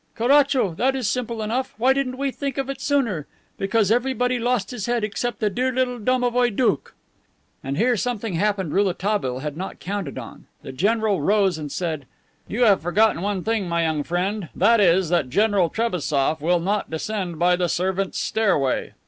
"Caracho! That is simple enough. Why didn't we think of it sooner? Because everybody lost his head except the dear little domovoi doukh!" But here something happened Rouletabille had not counted on. The general rose and said, "You have forgotten one thing, my young friend; that is that General Trebassof will not descend by the servants' stairway."